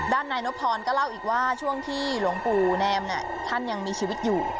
ด้านนายนพรก็เล่าอีกว่าช่วงที่หลวงปู่แนมท่านยังมีชีวิตอยู่